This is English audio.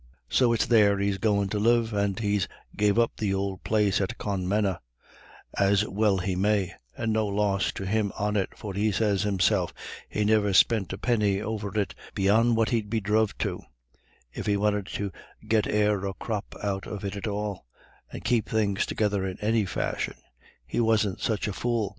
So it's there he's goin' to live, and he's gave up the ould place at Clonmena, as well he may, and no loss to him on it, for he sez himself he niver spent a pinny over it beyont what he'd be druv to, if he wanted to get e'er a crop out of it at all, and keep things together in any fashion: he wasn't such a fool."